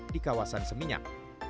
di kawasan seminyak